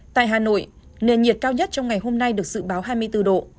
tại hà nội nền nhiệt cao nhất trong ngày hôm nay được dự báo hai mươi bốn độ